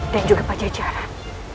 dan juga pajajaran